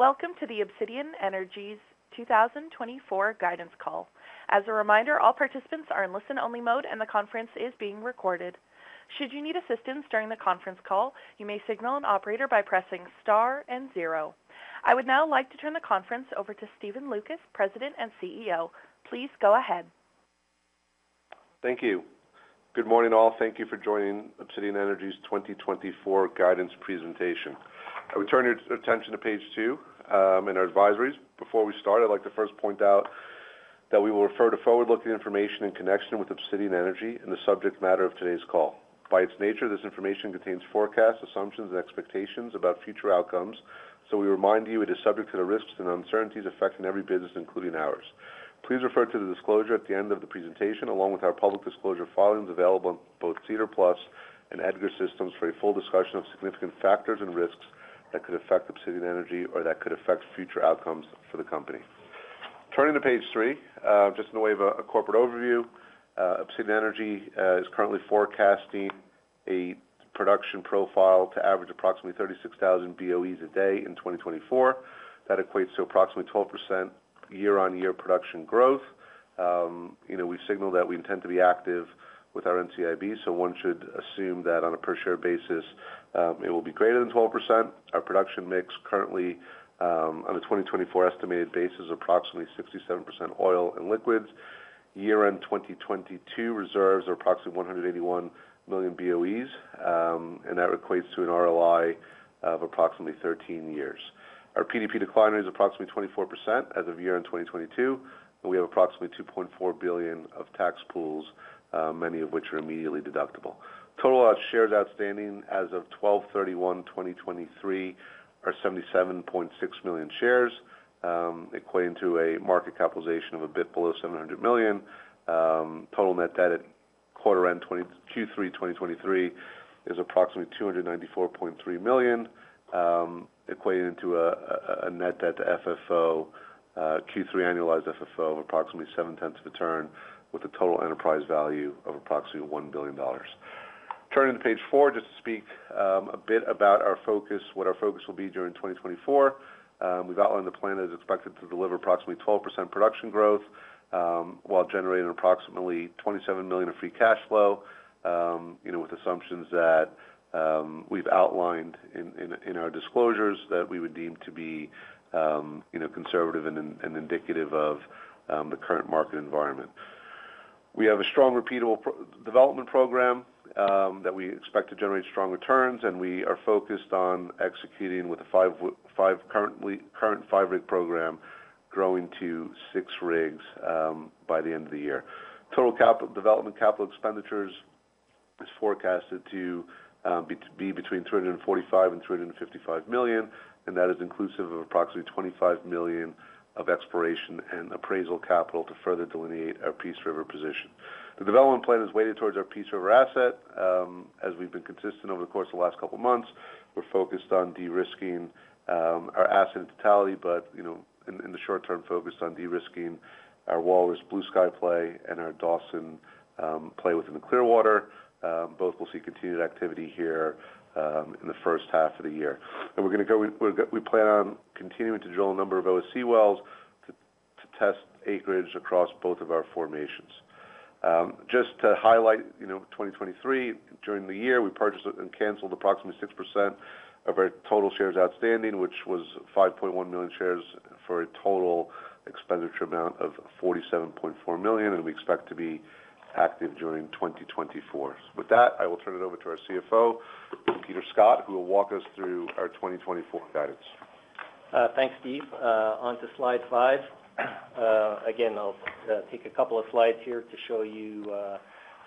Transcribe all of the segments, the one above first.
Welcome to the Obsidian Energy's 2024 guidance call. As a reminder, all participants are in listen-only mode, and the conference is being recorded. Should you need assistance during the conference call, you may signal an operator by pressing Star and zero. I would now like to turn the conference over to Stephen Loukas, President and CEO. Please go ahead. Thank you. Good morning, all. Thank you for joining Obsidian Energy's 2024 guidance presentation. I would turn your attention to page 2 in our advisories. Before we start, I'd like to first point out that we will refer to forward-looking information in connection with Obsidian Energy and the subject matter of today's call. By its nature, this information contains forecasts, assumptions, and expectations about future outcomes, so we remind you it is subject to the risks and uncertainties affecting every business, including ours. Please refer to the disclosure at the end of the presentation, along with our public disclosure filings, available on both SEDAR+ and EDGAR for a full discussion of significant factors and risks that could affect Obsidian Energy or that could affect future outcomes for the company. Turning to page three, just in the way of a corporate overview, Obsidian Energy is currently forecasting a production profile to average approximately 36,000 BOEs a day in 2024. That equates to approximately 12% year-on-year production growth. You know, we signal that we intend to be active with our NCIB, so one should assume that on a per share basis, it will be greater than 12%. Our production mix currently, on a 2024 estimated basis, is approximately 67% oil and liquids. Year-end 2022 reserves are approximately 181 million BOEs, and that equates to an ROI of approximately 13 years. Our PDP decliner is approximately 24% as of year-end 2022, and we have approximately 2.4 billion of tax pools, many of which are immediately deductible. Total shares outstanding as of 12/31/2023 are 77.6 million shares, equating to a market capitalization of a bit below $700 million. Total net debt at quarter end Q3 2023 is approximately $294.3 million, equating to a net debt to FFO Q3 annualized FFO of approximately 0.7 of a turn, with a total enterprise value of approximately $1 billion. Turning to page four, just to speak a bit about our focus, what our focus will be during 2024. We've outlined the plan is expected to deliver approximately 12% production growth, while generating approximately $27 million of free cash flow. You know, with assumptions that, we've outlined in our disclosures, that we would deem to be, you know, conservative and indicative of, the current market environment. We have a strong, repeatable development program, that we expect to generate strong returns, and we are focused on executing with a current 5-rig program growing to 6 rigs, by the end of the year. Development capital expenditures is forecasted to be between 345 million and 355 million, and that is inclusive of approximately 25 million of exploration and appraisal capital to further delineate our Peace River position. The development plan is weighted towards our Peace River asset. As we've been consistent over the course of the last couple of months, we're focused on de-risking our asset in totality, but, you know, in the short term, focused on de-risking our Walrus Bluesky play and our Dawson play within the Clearwater. Both will see continued activity here in the first half of the year. We plan on continuing to drill a number of OSE wells to test acreage across both of our formations. Just to highlight, you know, 2023, during the year, we purchased and canceled approximately 6% of our total shares outstanding, which was 5.1 million shares, for a total expenditure amount of 47.4 million, and we expect to be active during 2024. With that, I will turn it over to our CFO, Peter Scott, who will walk us through our 2024 guidance. Thanks, Steve. On to slide 5. Again, I'll take a couple of slides here to show you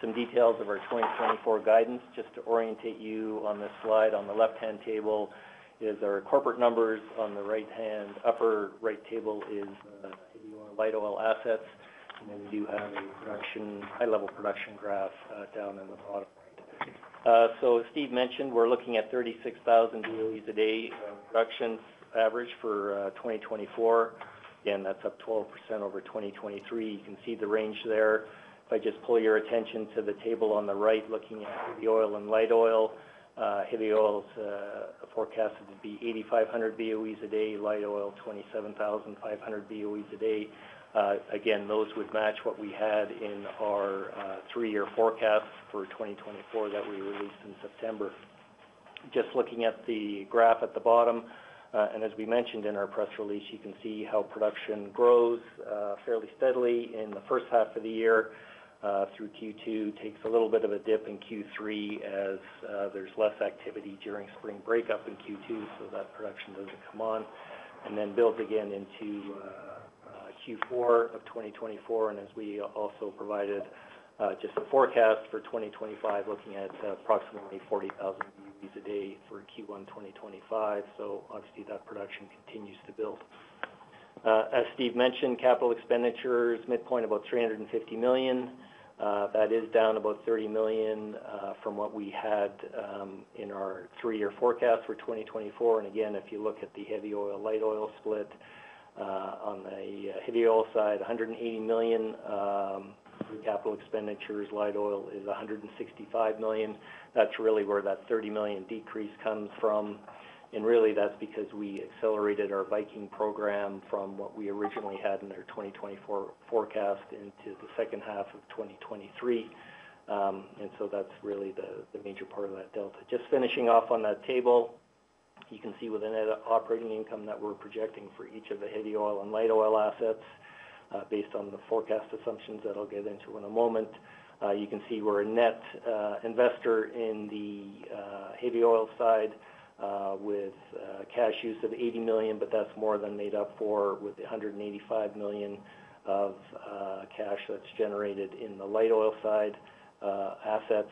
some details of our 2024 guidance. Just to orientate you on this slide, on the left-hand table is our corporate numbers. On the right-hand, upper right table is our light oil assets, and then we do have a high-level production graph down in the bottom right. So as Steve mentioned, we're looking at 36,000 BOEs a day, production average for 2024. Again, that's up 12% over 2023. You can see the range there. If I just pull your attention to the table on the right, looking at the oil and light oil, heavy oil is forecasted to be 8,500 BOEs a day, light oil, 27,500 BOEs a day. Again, those would match what we had in our three-year forecast for 2024 that we released in September. Just looking at the graph at the bottom, and as we mentioned in our press release, you can see how production grows fairly steadily in the first half of the year through Q2. Takes a little bit of a dip in Q3 as there's less activity during spring breakup in Q2, so that production doesn't come on, and then builds again into Q4 of 2024. And as we also provided, just a forecast for 2025, looking at approximately 40,000 BOEs a day for Q1 2025. So obviously, that production continues to build. As Steve mentioned, capital expenditures, midpoint, about 350 million. That is down about 30 million from what we had in our three-year forecast for 2024. And again, if you look at the heavy oil/light oil split, on the heavy oil side, 180 million capital expenditures. Light oil is 165 million. That's really where that 30 million decrease comes from. And really, that's because we accelerated our Viking program from what we originally had in our 2024 forecast into the second half of 2023. And so that's really the major part of that delta. Just finishing off on that table, you can see within that operating income that we're projecting for each of the heavy oil and light oil assets, based on the forecast assumptions that I'll get into in a moment. You can see we're a net investor in the heavy oil side with cash use of 80 million, but that's more than made up for with the 185 million of cash that's generated in the light oil side assets.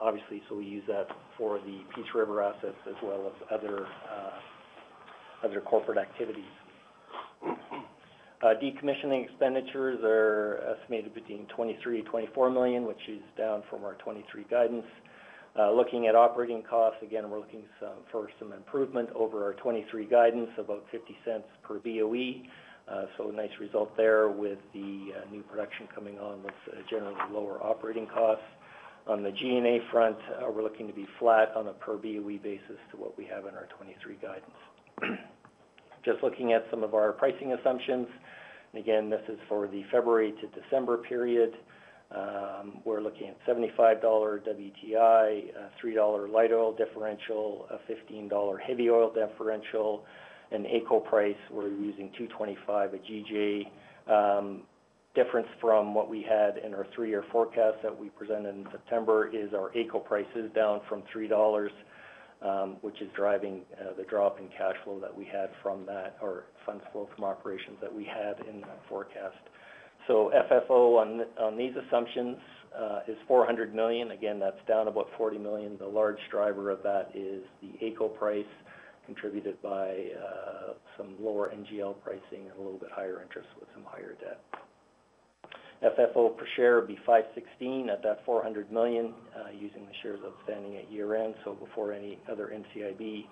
Obviously, so we use that for the Peace River assets as well as other other corporate activities. Decommissioning expenditures are estimated between 23 million and 24 million, which is down from our 2023 guidance. Looking at operating costs, again, we're looking for some improvement over our 2023 guidance, about 0.50 per BOE. So a nice result there with the new production coming on with generally lower operating costs. On the G&A front, we're looking to be flat on a per BOE basis to what we have in our 2023 guidance. Just looking at some of our pricing assumptions, and again, this is for the February to December period, we're looking at $75 WTI, $3 light oil differential, a $15 heavy oil differential, and AECO price, we're using 2.25/GJ. Difference from what we had in our three year forecast that we presented in September is our AECO price is down from 3 dollars, which is driving the drop in cash flow that we had from that or funds flow from operations that we had in that forecast. So FFO on these assumptions is 400 million. Again, that's down about 40 million. The large driver of that is the AECO price, contributed by some lower NGL pricing and a little bit higher interest with some higher debt. FFO per share would be 0.516 at that 400 million, using the shares outstanding at year-end, so before any other NCIB.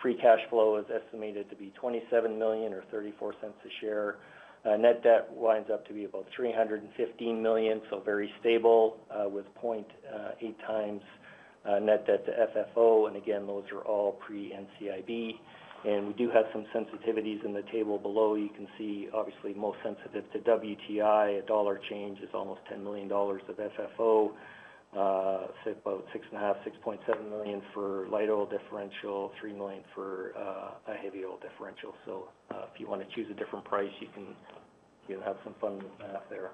Free cash flow is estimated to be 27 million or 0.34 a share. Net debt winds up to be about 315 million, so very stable, with 0.8x net debt to FFO. And again, those are all pre-NCIB. And we do have some sensitivities in the table below. You can see, obviously, most sensitive to WTI. A $1 change is almost 10 million dollars of FFO, so about 6.5, 6.7 million for light oil differential, 3 million for a heavy oil differential. So, if you want to choose a different price, you can, you know, have some fun with the math there.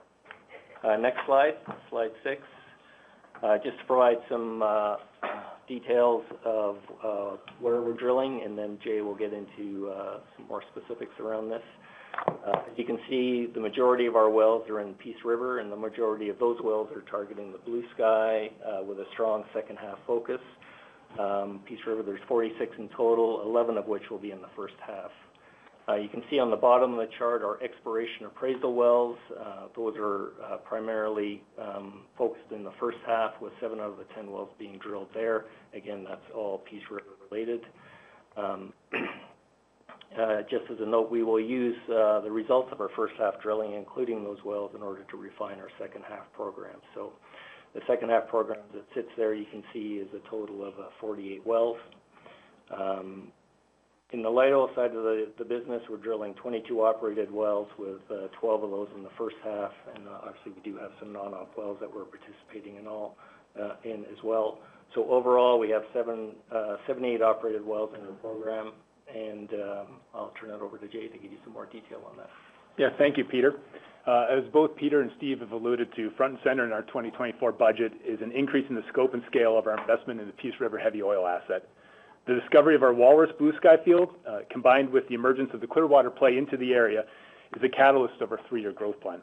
Next slide, slide six. Just to provide some details of where we're drilling, and then Jay will get into some more specifics around this. As you can see, the majority of our wells are in Peace River, and the majority of those wells are targeting the Bluesky with a strong second-half focus. Peace River, there's 46 in total, 11 of which will be in the first half. You can see on the bottom of the chart, our exploration appraisal wells, those are primarily focused in the first half, with seven out of the 10 wells being drilled there. Again, that's all Peace River-related. Just as a note, we will use the results of our first half drilling, including those wells, in order to refine our second half program. So the second half program that sits there, you can see, is a total of 48 wells. In the light oil side of the business, we're drilling 22 operated wells, with 12 of those in the first half, and obviously, we do have some non-op wells that we're participating in all in as well. So overall, we have 78 operated wells in the program, and I'll turn it over to Jay to give you some more detail on that. Yeah. Thank you, Peter. As both Peter and Steve have alluded to, front and center in our 2024 budget is an increase in the scope and scale of our investment in the Peace River heavy oil asset. The discovery of our Walrus Bluesky field, combined with the emergence of the Clearwater play into the area, is the catalyst of our three-year growth plan.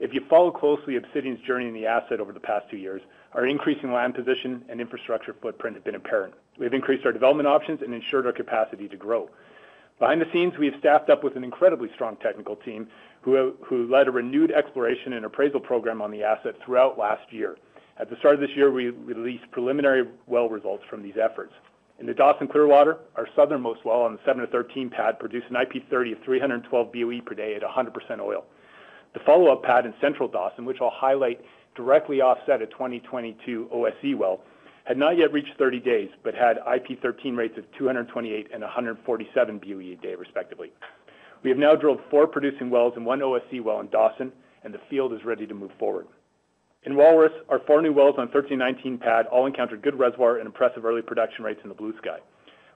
If you follow closely Obsidian's journey in the asset over the past two years, our increasing land position and infrastructure footprint have been apparent. We've increased our development options and ensured our capacity to grow. Behind the scenes, we've staffed up with an incredibly strong technical team, who led a renewed exploration and appraisal program on the asset throughout last year. At the start of this year, we released preliminary well results from these efforts. In the Dawson Clearwater, our southernmost well on the 7-13 pad produced an IP30 of 312 BOE per day at 100% oil. The follow-up pad in central Dawson, which I'll highlight, directly offset a 2022 OSE well, had not yet reached 30 days, but had IP13 rates of 228 and 147 BOE a day, respectively. We have now drilled four producing wells and 1 OSE well in Dawson, and the field is ready to move forward. In Walrus, our four new wells on 13-19 pad all encountered good reservoir and impressive early production rates in the Bluesky.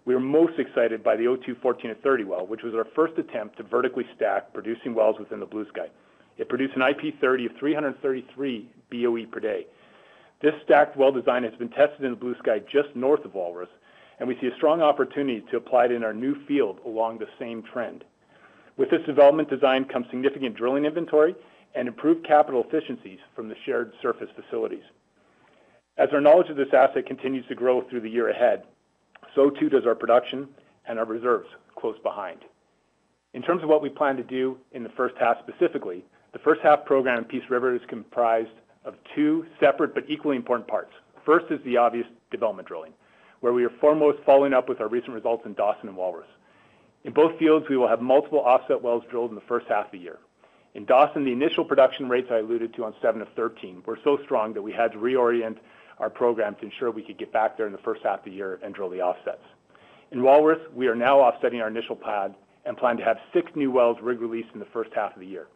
We are most excited by the 02-14-30 well, which was our first attempt to vertically stack producing wells within the Bluesky. It produced an IP30 of 333 BOE per day. This stacked well design has been tested in the Bluesky just north of Walrus, and we see a strong opportunity to apply it in our new field along the same trend. With this development design comes significant drilling inventory and improved capital efficiencies from the shared surface facilities. As our knowledge of this asset continues to grow through the year ahead, so too does our production and our reserves close behind. In terms of what we plan to do in the first half, specifically, the first half program in Peace River is comprised of two separate but equally important parts. First is the obvious development drilling.... where we are foremost following up with our recent results in Dawson and Walrus. In both fields, we will have multiple offset wells drilled in the first half of the year. In Dawson, the initial production rates I alluded to on seven of 13 were so strong that we had to reorient our program to ensure we could get back there in the first half of the year and drill the offsets. In Walrus, we are now offsetting our initial pad and plan to have 6 new wells rig released in the first half of the year.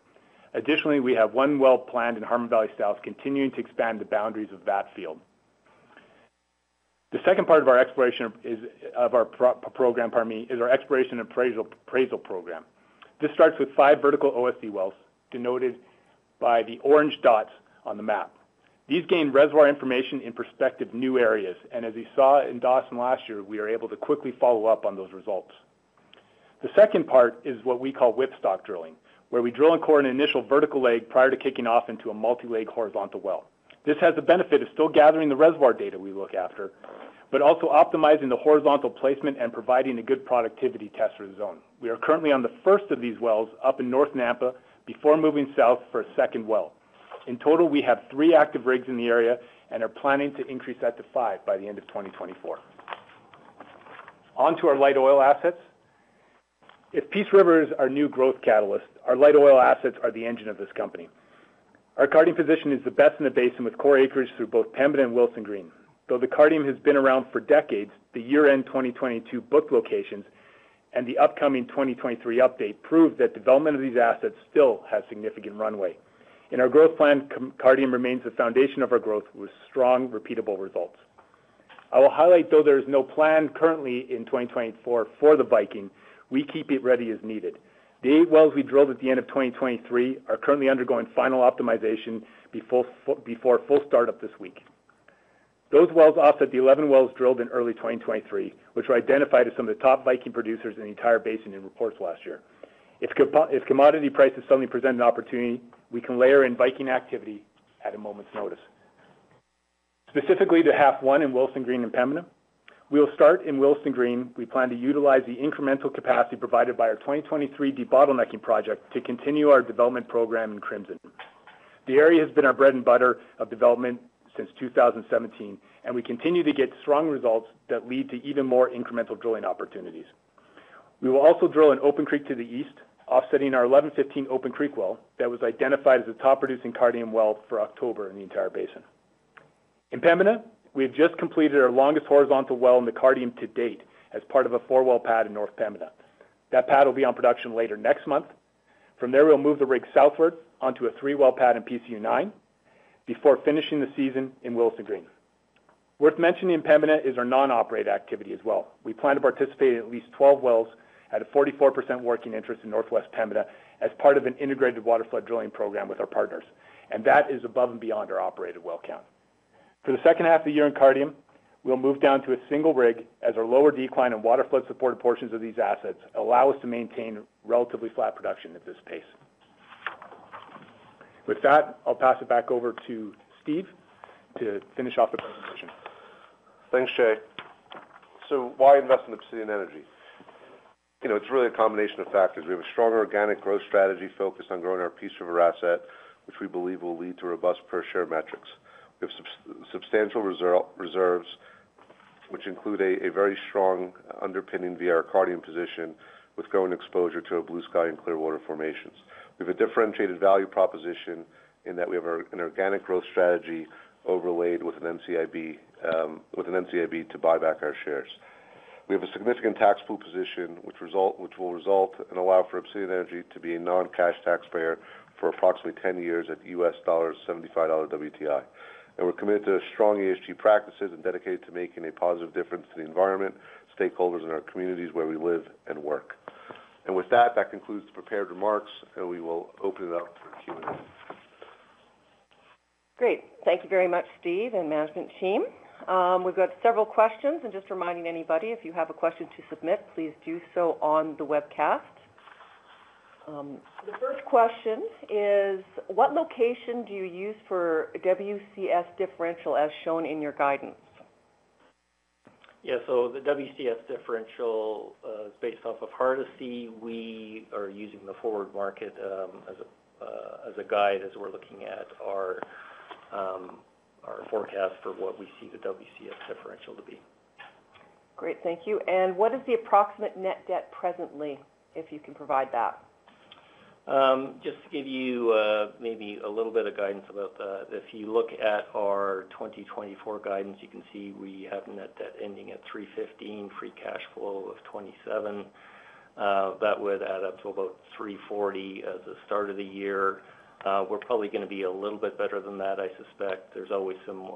Additionally, we have one well planned in Harmon Valley South, continuing to expand the boundaries of that field. The second part of our exploration program, pardon me, is our exploration and appraisal program. This starts with five vertical OSE wells, denoted by the orange dots on the map. These gain reservoir information in prospective new areas, and as you saw in Dawson last year, we are able to quickly follow up on those results. The second part is what we call whipstock drilling, where we drill and core an initial vertical leg prior to kicking off into a multi-leg horizontal well. This has the benefit of still gathering the reservoir data we look after, but also optimizing the horizontal placement and providing a good productivity test for the zone. We are currently on the first of these wells up in North Nampa, before moving south for a second well. In total, we have three active rigs in the area and are planning to increase that to five by the end of 2024. On to our light oil assets. If Peace River is our new growth catalyst, our light oil assets are the engine of this company. Our Cardium position is the best in the basin, with core acres through both Pembina and Willesden Green. Though the Cardium has been around for decades, the year-end 2022 book locations and the upcoming 2023 update proved that development of these assets still have significant runway. In our growth plan, Cardium remains the foundation of our growth, with strong, repeatable results. I will highlight, though, there is no plan currently in 2024 for the Viking, we keep it ready as needed. The eight wells we drilled at the end of 2023 are currently undergoing final optimization before before full start-up this week. Those wells offset the 11 wells drilled in early 2023, which were identified as some of the top Viking producers in the entire basin in reports last year. If commodity prices suddenly present an opportunity, we can layer in Viking activity at a moment's notice. Specifically, to 1H in Willesden Green and Pembina, we will start in Willesden Green. We plan to utilize the incremental capacity provided by our 2023 debottlenecking project to continue our development program in Crimson Lake. The area has been our bread and butter of development since 2017, and we continue to get strong results that lead to even more incremental drilling opportunities. We will also drill an Open Creek to the east, offsetting our 11-15 Open Creek well, that was identified as a top-producing Cardium well for October in the entire basin. In Pembina, we have just completed our longest horizontal well in the Cardium to date, as part of a four well pad in North Pembina. That pad will be on production later next month. From there, we'll move the rig southward onto a three well pad in PCU 9, before finishing the season in Willesden Green. Worth mentioning in Pembina is our non-operated activity as well. We plan to participate in at least 12 wells at a 44% working interest in Northwest Pembina, as part of an integrated waterflood drilling program with our partners, and that is above and beyond our operated well count. For the second half of the year in Cardium, we'll move down to a single rig, as our lower decline and waterflood-supported portions of these assets allow us to maintain relatively flat production at this pace. With that, I'll pass it back over to Steve to finish off the presentation. Thanks, jay. So why invest in Obsidian Energy? You know, it's really a combination of factors. We have a strong organic growth strategy focused on growing our Peace River asset, which we believe will lead to robust per share metrics. We have substantial reserves, which include a very strong underpinning via our Cardium position, with growing exposure to our Bluesky and Clearwater formations. We have a differentiated value proposition in that we have an organic growth strategy overlaid with an NCIB, with an NCIB to buy back our shares. We have a significant tax pool position, which will result and allow for Obsidian Energy to be a non-cash taxpayer for approximately 10 years at US dollars, $75 WTI. We're committed to strong ESG practices and dedicated to making a positive difference to the environment, stakeholders in our communities where we live and work. With that, that concludes the prepared remarks, and we will open it up for Q&A. Great. Thank you very much, Steve and management team. We've got several questions, and just reminding anybody, if you have a question to submit, please do so on the webcast. The first question is: What location do you use for WCS differential as shown in your guidance? Yeah, so the WCS differential is based off of Hardisty. We are using the forward market as a guide, as we're looking at our forecast for what we see the WCS differential to be. Great, thank you. What is the approximate net debt presently, if you can provide that? Just to give you, maybe a little bit of guidance about that. If you look at our 2024 guidance, you can see we have net debt ending at 315, free cash flow of 27. That would add up to about 340 as the start of the year. We're probably gonna be a little bit better than that, I suspect. There's always some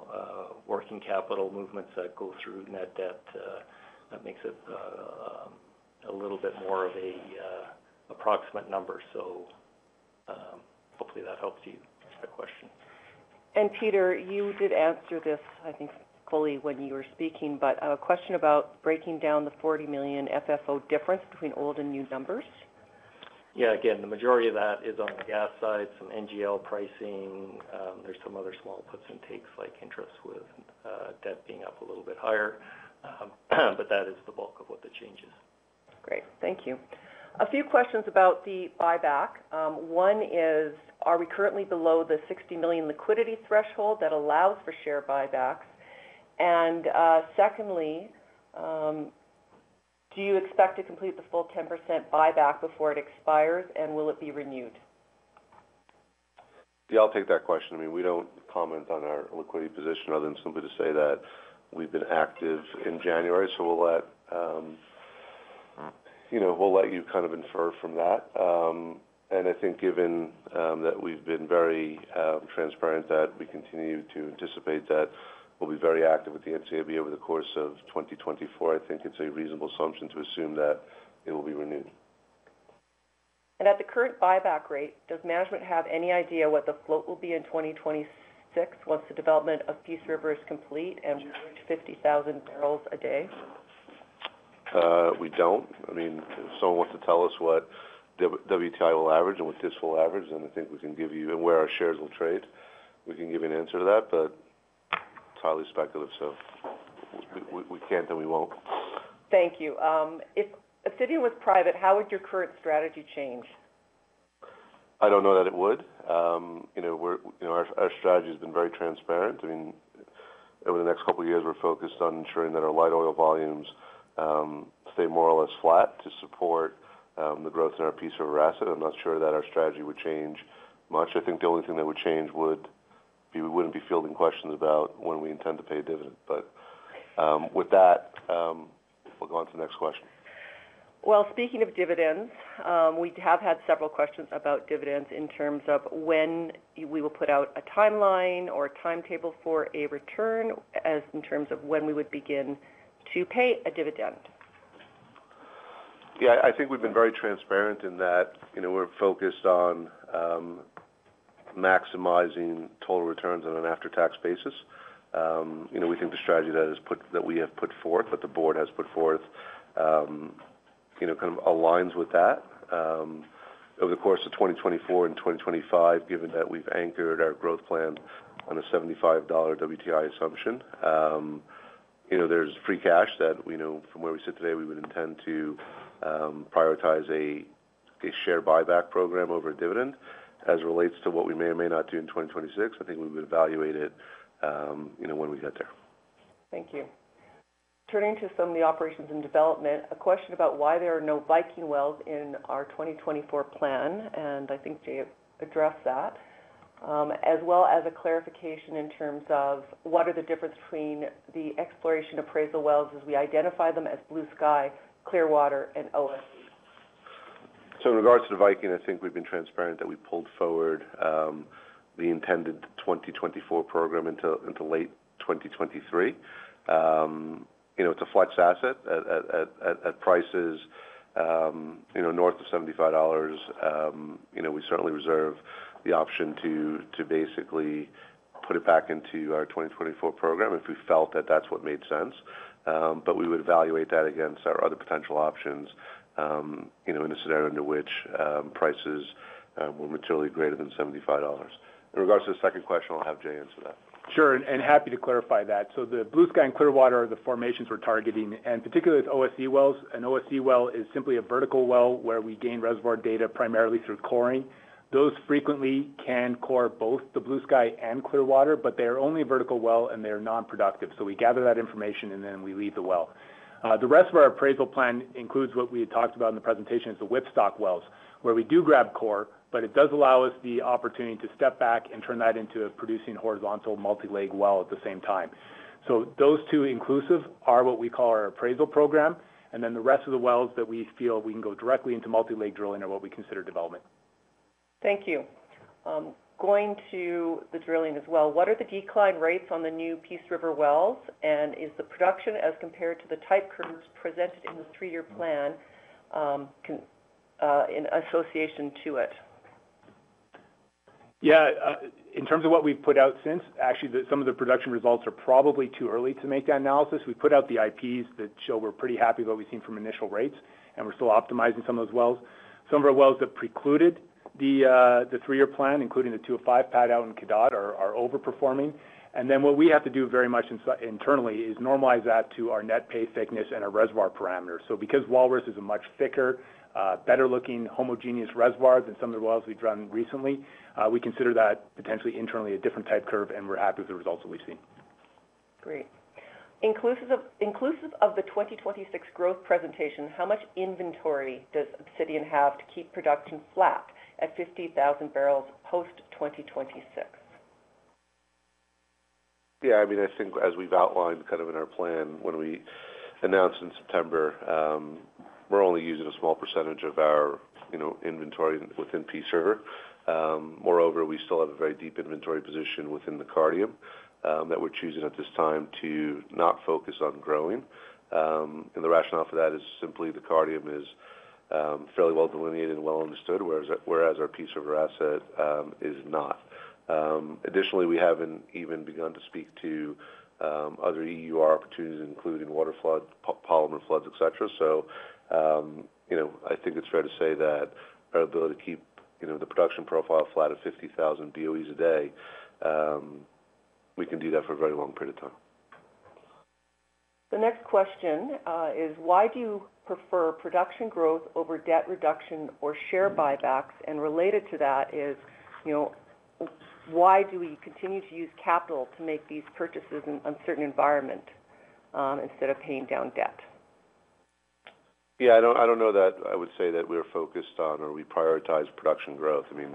working capital movements that go through net debt, that makes it a little bit more of a approximate number. So, hopefully, that helps you with the question. Peter, you did answer this, I think, fully when you were speaking, but a question about breaking down the 40 million FFO difference between old and new numbers? Yeah, again, the majority of that is on the gas side, some NGL pricing. There's some other small puts and takes, like interest with debt being up a little bit higher. But that is the bulk of what the change is.... Great. Thank you. A few questions about the buyback. One is, are we currently below the 60 million liquidity threshold that allows for share buybacks? And, secondly, do you expect to complete the full 10% buyback before it expires, and will it be renewed? Yeah, I'll take that question. I mean, we don't comment on our liquidity position other than simply to say that we've been active in January, so we'll let, you know, we'll let you kind of infer from that. And I think given that we've been very transparent, that we continue to anticipate that we'll be very active with the NCIB over the course of 2024, I think it's a reasonable assumption to assume that it will be renewed. At the current buyback rate, does management have any idea what the float will be in 2026, once the development of Peace River is complete and we reach 50,000 barrels a day? We don't. I mean, if someone wants to tell us what WTI will average and what this will average, then I think we can give you, and where our shares will trade, we can give you an answer to that, but it's highly speculative, so we can't, and we won't. Thank you. If Obsidian was private, how would your current strategy change? I don't know that it would. You know, our strategy has been very transparent. I mean, over the next couple of years, we're focused on ensuring that our light oil volumes stay more or less flat to support the growth in our Peace River asset. I'm not sure that our strategy would change much. I think the only thing that would change would be we wouldn't be fielding questions about when we intend to pay a dividend. But with that, we'll go on to the next question. Well, speaking of dividends, we have had several questions about dividends in terms of when we will put out a timeline or a timetable for a return, as in terms of when we would begin to pay a dividend. Yeah, I think we've been very transparent in that. You know, we're focused on maximizing total returns on an after-tax basis. You know, we think the strategy that we have put forth, that the board has put forth, you know, kind of aligns with that. Over the course of 2024 and 2025, given that we've anchored our growth plan on a $75 WTI assumption, you know, there's free cash that we know from where we sit today, we would intend to prioritize a share buyback program over a dividend. As it relates to what we may or may not do in 2026, I think we would evaluate it, you know, when we get there. Thank you. Turning to some of the operations and development, a question about why there are no Viking wells in our 2024 plan, and I think Jay addressed that, as well as a clarification in terms of what are the difference between the exploration appraisal wells as we identify them as Bluesky, Clearwater, and OSE. So in regards to the Viking, I think we've been transparent that we pulled forward the intended 2024 program into late 2023. You know, it's a flex asset. At prices, you know, north of $75, you know, we certainly reserve the option to basically put it back into our 2024 program if we felt that that's what made sense. But we would evaluate that against our other potential options, you know, in a scenario under which prices were materially greater than $75. In regards to the second question, I'll have Jay answer that. Sure, and happy to clarify that. So the Bluesky and Clearwater are the formations we're targeting, and particularly with OSE wells. An OSE well is simply a vertical well where we gain reservoir data primarily through coring. Those frequently can core both the Bluesky and Clearwater, but they are only a vertical well, and they are non-productive. So we gather that information, and then we leave the well. The rest of our appraisal plan includes what we had talked about in the presentation, is the whipstock wells, where we do grab core, but it does allow us the opportunity to step back and turn that into a producing horizontal multi-leg well at the same time. Those two inclusive are what we call our appraisal program, and then the rest of the wells that we feel we can go directly into multi-leg drilling are what we consider development. Thank you. Going to the drilling as well, what are the decline rates on the new Peace River wells, and is the production as compared to the type curves presented in the three-year plan, in association to it? Yeah, in terms of what we've put out since, actually, the some of the production results are probably too early to make that analysis. We put out the IPs that show we're pretty happy with what we've seen from initial rates, and we're still optimizing some of those wells. Some of our wells have precluded the three-year plan, including the 2-05 pad out in Cadotte, are overperforming. And then what we have to do very much internally is normalize that to our net pay thickness and our reservoir parameters. So because Walrus is a much thicker, better-looking, homogeneous reservoir than some of the wells we've drawn recently, we consider that potentially internally a different type curve, and we're happy with the results that we've seen. Great. Inclusive of, inclusive of the 2026 growth presentation, how much inventory does Obsidian have to keep production flat at 50,000 barrels post-2026? Yeah, I mean, I think as we've outlined kind of in our plan, when we announced in September, we're only using a small percentage of our, you know, inventory within Peace River. Moreover, we still have a very deep inventory position within the Cardium that we're choosing at this time to not focus on growing. The rationale for that is simply the Cardium is fairly well delineated and well understood, whereas our Peace River asset is not. Additionally, we haven't even begun to speak to other EUR opportunities, including waterflood, polymer floods, et cetera. So, you know, I think it's fair to say that our ability to keep, you know, the production profile flat at 50,000 BOEs a day. We can do that for a very long period of time. The next question is: why do you prefer production growth over debt reduction or share buybacks? And related to that is, you know, why do we continue to use capital to make these purchases in uncertain environment, instead of paying down debt? Yeah, I don't know that I would say that we're focused on or we prioritize production growth. I mean,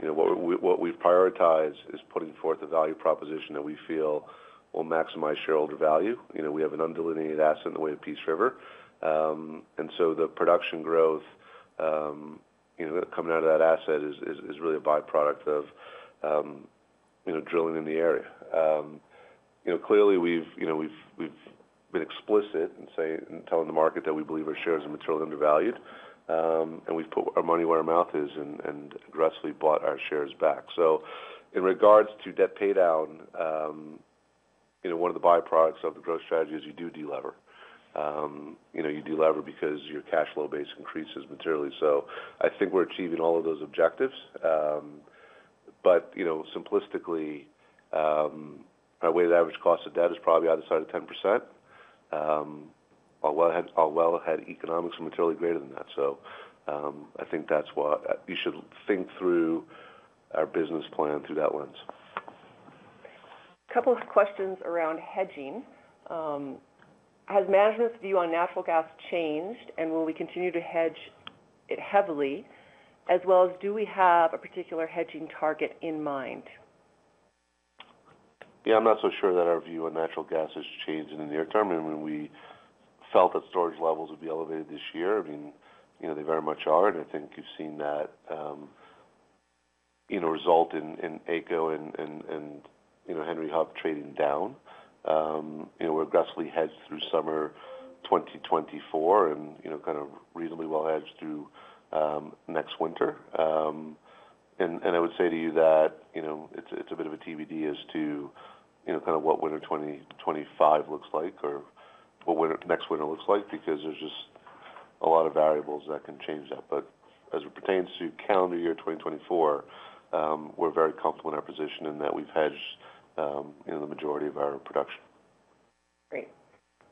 you know, what we've prioritized is putting forth a value proposition that we feel will maximize shareholder value. You know, we have an undelineated asset in the way of Peace River. And so the production growth, you know, coming out of that asset is really a by-product of, you know, drilling in the area. You know, clearly, we've been explicit in saying—in telling the market that we believe our shares are materially undervalued. And we've put our money where our mouth is and aggressively bought our shares back. So in regards to debt paydown, you know, one of the byproducts of the growth strategy is you do de-lever. You know, you de-lever because your cash flow base increases materially. So I think we're achieving all of those objectives. But, you know, simplistically, our weighted average cost of debt is probably on the side of 10%. Our wellhead economics are materially greater than that. So, I think that's why you should think through our business plan through that lens. A couple of questions around hedging. Has management's view on natural gas changed, and will we continue to hedge it heavily? As well as do we have a particular hedging target in mind? Yeah, I'm not so sure that our view on natural gas has changed in the near term. I mean, we felt that storage levels would be elevated this year. I mean, you know, they very much are, and I think you've seen that, you know, result in AECO and Henry Hub trading down. You know, we're aggressively hedged through summer 2024 and, you know, kind of reasonably well hedged through next winter. And I would say to you that, you know, it's a bit of a TBD as to, you know, kind of what winter 2025 looks like, or what next winter looks like, because there's just a lot of variables that can change that. But as it pertains to calendar year 2024, we're very comfortable in our position in that we've hedged, you know, the majority of our production. Great.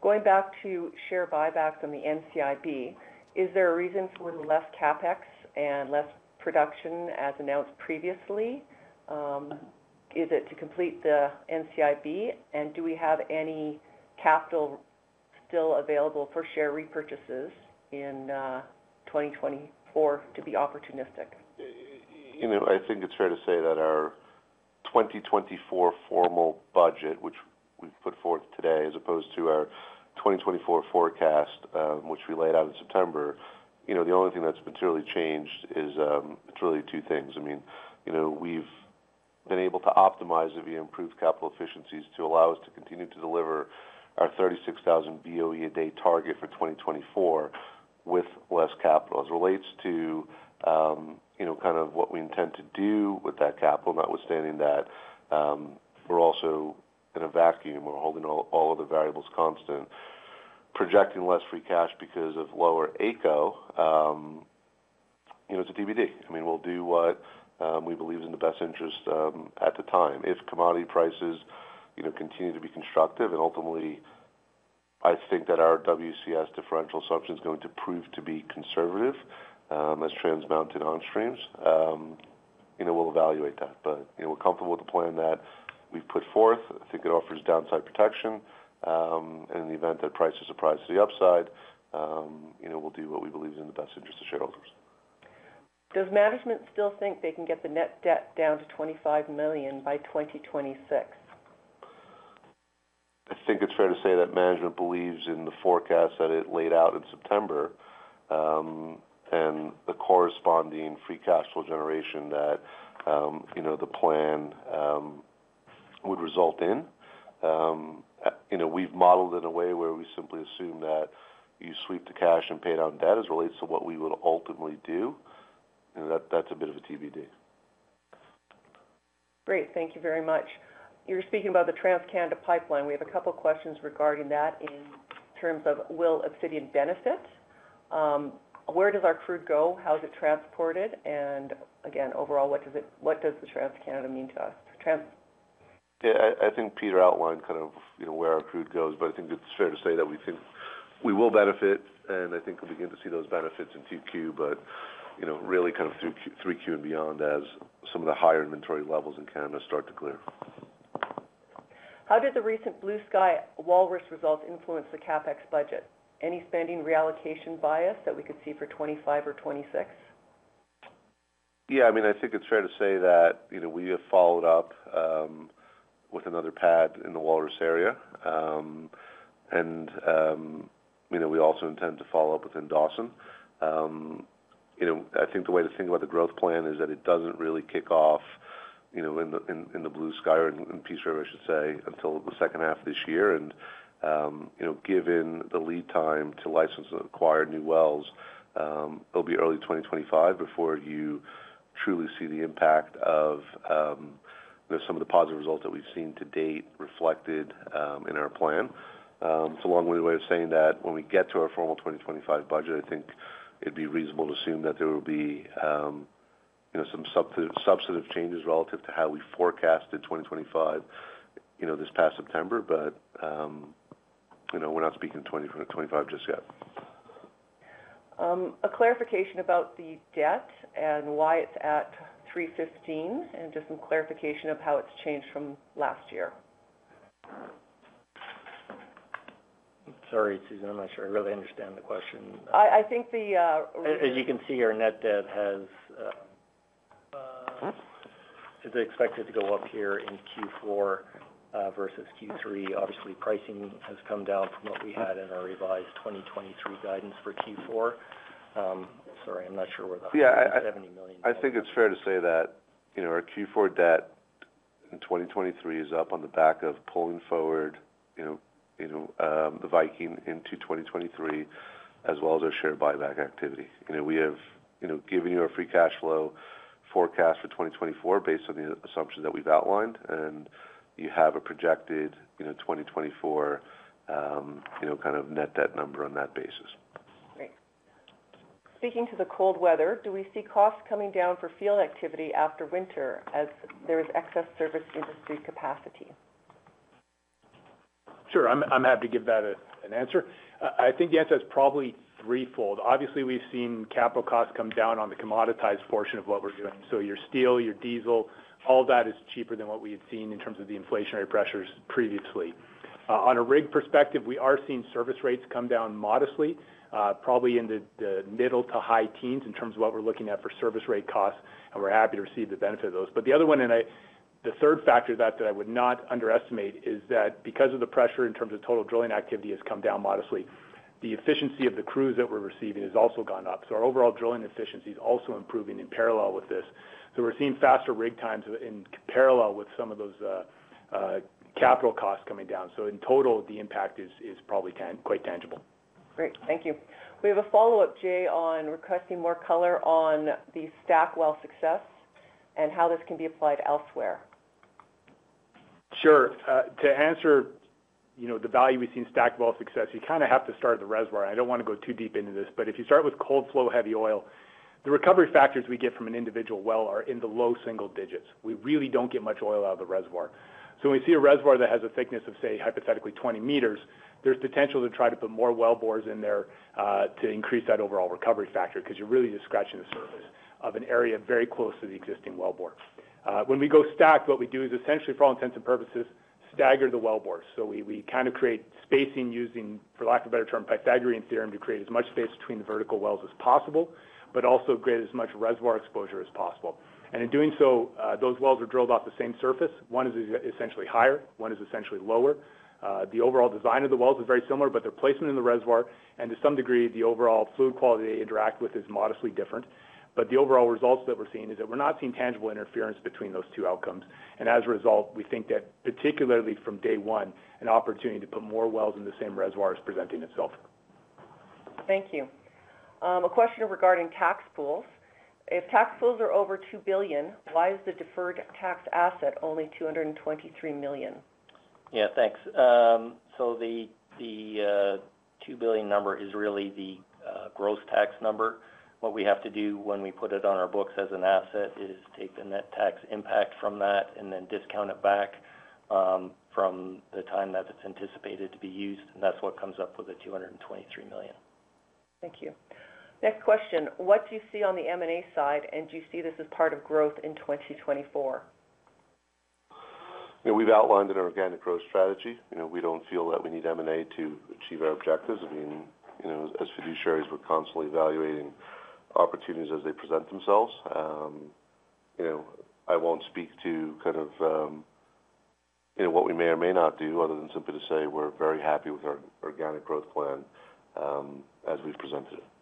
Going back to share buybacks on the NCIB, is there a reason for the less CapEx and less production as announced previously? Is it to complete the NCIB, and do we have any capital still available for share repurchases in 2024 to be opportunistic? You know, I think it's fair to say that our 2024 formal budget, which we've put forth today, as opposed to our 2024 forecast, which we laid out in September, you know, the only thing that's materially changed is, it's really two things. I mean, you know, we've been able to optimize and we improved capital efficiencies to allow us to continue to deliver our 36,000 BOE a day target for 2024 with less capital. As it relates to, you know, kind of what we intend to do with that capital, notwithstanding that, we're also in a vacuum. We're holding all of the variables constant, projecting less free cash because of lower AECO, you know, it's a TBD. I mean, we'll do what we believe is in the best interest at the time. If commodity prices, you know, continue to be constructive, and ultimately, I think that our WCS differential assumption is going to prove to be conservative, as Trans Mountain onstreams, you know, we'll evaluate that. But, you know, we're comfortable with the plan that we've put forth. I think it offers downside protection. And in the event that prices surprise to the upside, you know, we'll do what we believe is in the best interest of shareholders. Does management still think they can get the net debt down to 25 million by 2026? I think it's fair to say that management believes in the forecast that it laid out in September, and the corresponding free cash flow generation that, you know, the plan, would result in. You know, we've modeled in a way where we simply assume that you sweep the cash and pay down debt as it relates to what we would ultimately do, and that, that's a bit of a TBD. Great. Thank you very much. You're speaking about the TransCanada pipeline. We have a couple of questions regarding that in terms of, will Obsidian benefit? Where does our crude go? How is it transported? And again, overall, what does the TransCanada mean to us? Trans. Yeah, I think Peter outlined kind of, you know, where our crude goes, but I think it's fair to say that we think we will benefit, and I think we'll begin to see those benefits in Q2, but, you know, really kind of through Q and beyond, as some of the higher inventory levels in Canada start to clear. How did the recent Bluesky Walrus results influence the CapEx budget? Any spending reallocation bias that we could see for 2025 or 2026? Yeah, I mean, I think it's fair to say that, you know, we have followed up with another pad in the Walrus area. And, you know, we also intend to follow up within Dawson. You know, I think the way to think about the growth plan is that it doesn't really kick off, you know, in the Bluesky or in Peace River, I should say, until the second half of this year. And, you know, given the lead time to license and acquire new wells, it'll be early 2025 before you truly see the impact of, you know, some of the positive results that we've seen to date... reflected in our plan. It's a long-winded way of saying that when we get to our formal 2025 budget, I think it'd be reasonable to assume that there will be, you know, some substantive changes relative to how we forecasted 2025, you know, this past September. But, you know, we're not speaking 2025 just yet. A clarification about the debt and why it's at 315, and just some clarification of how it's changed from last year. Sorry, Susan, I'm not sure I really understand the question. I think the As you can see, our net debt has is expected to go up here in Q4 versus Q3. Obviously, pricing has come down from what we had in our revised 2023 guidance for Q4. Sorry, I'm not sure where the 70 million- Yeah, I, I think it's fair to say that, you know, our Q4 debt in 2023 is up on the back of pulling forward, you know, you know, the Viking into 2023, as well as our share buyback activity. You know, we have, you know, given you our free cash flow forecast for 2024, based on the assumptions that we've outlined, and you have a projected, you know, 2024, you know, kind of net debt number on that basis. Great. Speaking to the cold weather, do we see costs coming down for field activity after winter, as there is excess service industry capacity? Sure, I'm happy to give that an answer. I think the answer is probably threefold. Obviously, we've seen capital costs come down on the commoditized portion of what we're doing. So your steel, your diesel, all that is cheaper than what we had seen in terms of the inflationary pressures previously. On a rig perspective, we are seeing service rates come down modestly, probably in the middle to high teens in terms of what we're looking at for service rate costs, and we're happy to receive the benefit of those. But the other one, the third factor that I would not underestimate, is that because of the pressure in terms of total drilling activity has come down modestly, the efficiency of the crews that we're receiving has also gone up. So our overall drilling efficiency is also improving in parallel with this. So we're seeing faster rig times in parallel with some of those capital costs coming down. So in total, the impact is probably quite tangible. Great, thank you. We have a follow-up, Jay, on requesting more color on the stack well success and how this can be applied elsewhere. Sure. To answer, you know, the value we see in stack well success, you kinda have to start at the reservoir. I don't want to go too deep into this, but if you start with cold flow, heavy oil, the recovery factors we get from an individual well are in the low single digits. We really don't get much oil out of the reservoir. So when we see a reservoir that has a thickness of, say, hypothetically, 20 m, there's potential to try to put more wellbores in there to increase that overall recovery factor, 'cause you're really just scratching the surface of an area very close to the existing wellbore. When we go stacked, what we do is essentially, for all intents and purposes, stagger the wellbore. So we kind of create spacing using, for lack of a better term, Pythagorean theorem, to create as much space between the vertical wells as possible, but also create as much reservoir exposure as possible. And in doing so, those wells are drilled off the same surface. One is essentially higher, one is essentially lower. The overall design of the wells is very similar, but their placement in the reservoir, and to some degree, the overall fluid quality they interact with, is modestly different. But the overall results that we're seeing is that we're not seeing tangible interference between those two outcomes. And as a result, we think that, particularly from day one, an opportunity to put more wells in the same reservoir is presenting itself. Thank you. A question regarding tax pools. If tax pools are over 2 billion, why is the deferred tax asset only 223 million? Yeah, thanks. So the 2 billion number is really the gross tax number. What we have to do when we put it on our books as an asset is take the net tax impact from that and then discount it back from the time that it's anticipated to be used, and that's what comes up with the 223 million. Thank you. Next question: What do you see on the M&A side, and do you see this as part of growth in 2024? You know, we've outlined in our organic growth strategy, you know, we don't feel that we need M&A to achieve our objectives. I mean, you know, as fiduciaries, we're constantly evaluating opportunities as they present themselves. You know, I won't speak to kind of, you know, what we may or may not do, other than simply to say, we're very happy with our organic growth plan, as we've presented it.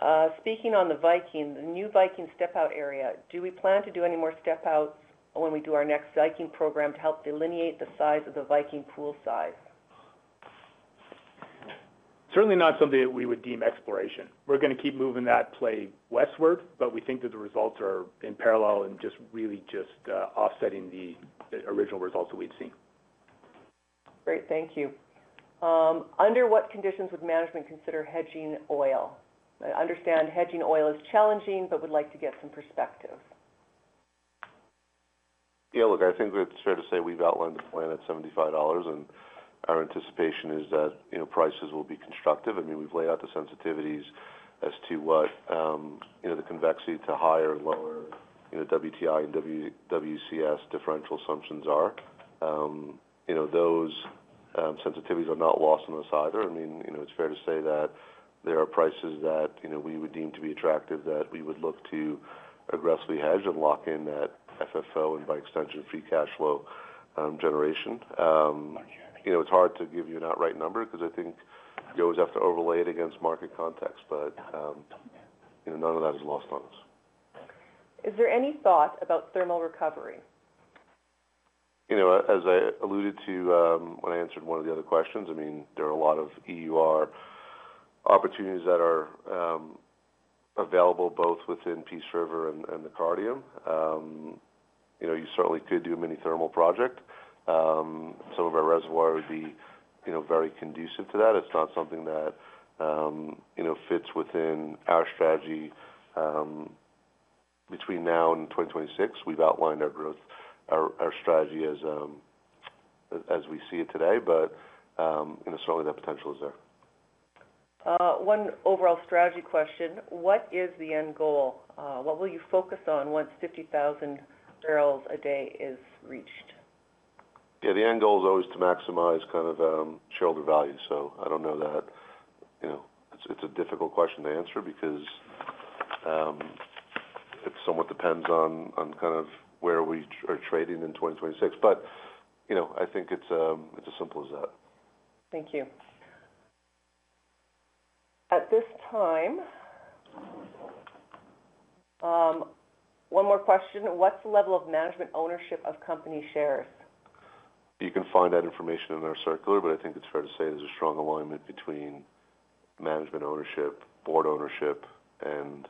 Great. Speaking on the Viking, the new Viking step-out area, do we plan to do any more step-outs when we do our next Viking program to help delineate the size of the Viking pool size? Certainly not something that we would deem exploration. We're gonna keep moving that play westward, but we think that the results are in parallel and just really just offsetting the original results that we've seen. Great, thank you. Under what conditions would management consider hedging oil? I understand hedging oil is challenging, but would like to get some perspective. Yeah, look, I think it's fair to say we've outlined the plan at $75, and our anticipation is that, you know, prices will be constructive. I mean, we've laid out the sensitivities as to what, you know, the convexity to higher and lower, you know, WTI and WCS differential assumptions are. You know, those sensitivities are not lost on us either. I mean, you know, it's fair to say that there are prices that, you know, we would deem to be attractive, that we would look to aggressively hedge and lock in that FFO, and by extension, free cash flow generation. You know, it's hard to give you an outright number because I think you always have to overlay it against market context, but, you know, none of that is lost on us. Is there any thought about thermal recovery? You know, as I alluded to, when I answered one of the other questions, I mean, there are a lot of EUR opportunities that are available both within Peace River and the Cardium. You know, you certainly could do a mini thermal project. Some of our reservoir would be, you know, very conducive to that. It's not something that, you know, fits within our strategy, between now and 2026. We've outlined our growth, our strategy as we see it today, but, you know, certainly that potential is there. One overall strategy question: What is the end goal? What will you focus on once 50,000 barrels a day is reached? Yeah, the end goal is always to maximize kind of, shareholder value. So I don't know that... You know, it's a difficult question to answer because, it somewhat depends on, on kind of where we are trading in 2026. But, you know, I think it's as simple as that. Thank you. At this time, one more question: What's the level of management ownership of company shares? You can find that information in our circular, but I think it's fair to say there's a strong alignment between management ownership, board ownership, and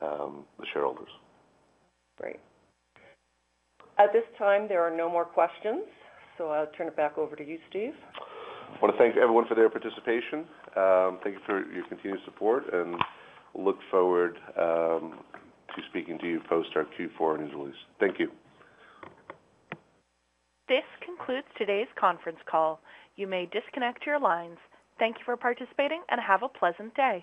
the shareholders. Great. At this time, there are no more questions, so I'll turn it back over to you, Steve. I wanna thank everyone for their participation. Thank you for your continued support, and look forward to speaking to you post our Q4 news release. Thank you. This concludes today's conference call. You may disconnect your lines. Thank you for participating, and have a pleasant day.